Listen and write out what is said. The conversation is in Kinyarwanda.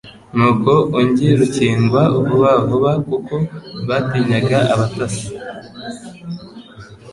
Nuko ungi rukingwa vuba vuba kuko batinyaga abatasi.